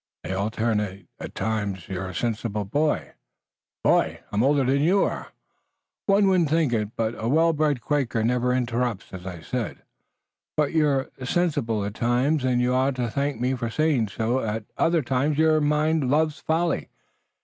"They alternate. At times you're a sensible boy." "Boy? I'm older than you are!" "One wouldn't think it. But a well bred Quaker never interrupts. As I said, you're quite sensible at times and you ought to thank me for saying so. At other times your mind loves folly.